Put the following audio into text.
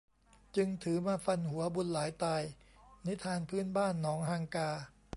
จึงถือมาฟันหัวบุญหลายตาย นิทานพื้นบ้านหนองฮังกา